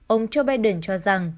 ông joe biden cho rằng